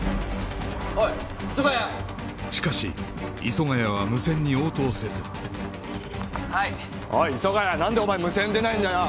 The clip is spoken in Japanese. しかし磯ヶ谷は無線に応答せず☎はいおい磯ヶ谷何でお前無線出ないんだよ？